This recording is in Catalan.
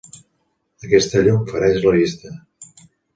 Aquesta llum fereix la vista.